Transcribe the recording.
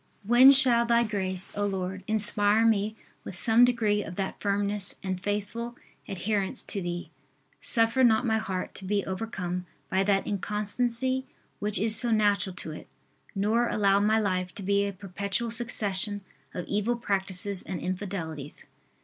When shall Thy grace, O Lord, inspire me with some degree of that firmness and faithful adherence to Thee. Suffer not my heart to be overcome by that inconstancy which is so natural to it, nor allow my life to be a perpetual succession of evil practices and infidelities.